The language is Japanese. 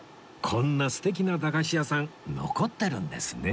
こんな素敵な駄菓子屋さん残ってるんですね